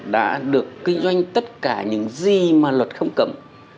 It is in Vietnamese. đã được kinh doanh tất cả những gì mà luật không cầm